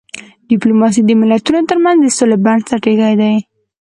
ډيپلوماسي د ملتونو ترمنځ د سولې بنسټ ایښی دی.